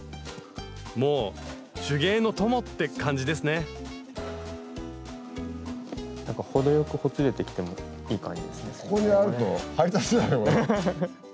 もう手芸の友って感じですねなんか程よくほつれてきてもいい感じですね。